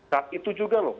saat itu juga loh